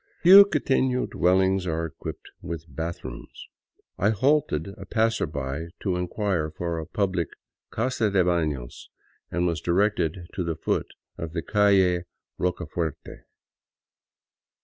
Few quitefio dwellings are equipped with bathrooms. I halted a passerby to inquire for a public casa de hanos, and was directed to the foot of the calle Rocafuepte.